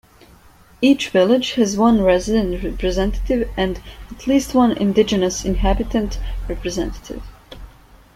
Each village has one resident representative and at least one indigenous inhabitant representative.